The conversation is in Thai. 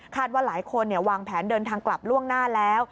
ว่าหลายคนวางแผนเดินทางกลับล่วงหน้าแล้ว